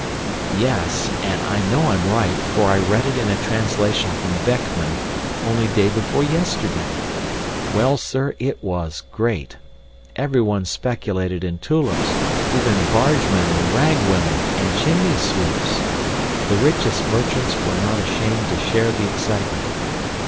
"Yes, and I know I'm right, for I read it in a translation from Beckman, only day before yesterday. Well, sir, it was great. Everyone speculated in tulips, even bargemen and rag women and chimney sweeps. The richest merchants were not ashamed to share the excitement.